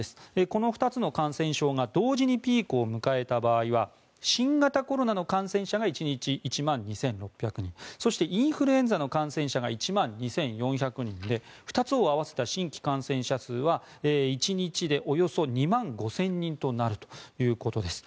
この２つの感染症が同時にピークを迎えた場合は新型コロナの感染者が１日１万２６００人そしてインフルエンザの感染者が１万２４００人で２つを合わせた新規感染者数は１日でおよそ２万５０００人となるということです。